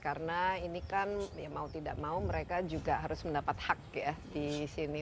karena ini kan mau tidak mau mereka juga harus mendapat hak ya di sini